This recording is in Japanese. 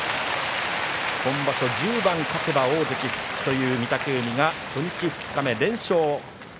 今場所１０番勝てば大関復帰という御嶽海初日、二日目連勝。